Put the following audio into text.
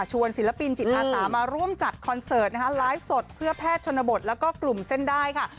ศิลปินจิตอาสามาร่วมจัดคอนเสิร์ตนะคะไลฟ์สดเพื่อแพทย์ชนบทแล้วก็กลุ่มเส้นได้ค่ะ